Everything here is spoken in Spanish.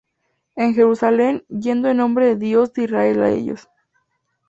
en Jerusalem yendo en nombre del Dios de Israel á ellos.